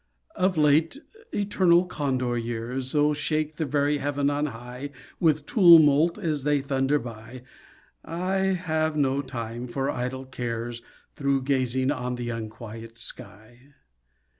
Of late, eternal Condor years So shake the very Heaven on high With tumult as they thunder by, I have no time for idle cares Through gazing on the unquiet sky.